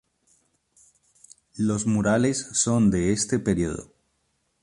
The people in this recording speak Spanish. Los murales son de este periodo.